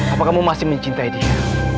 apa kamu masih mencintai dia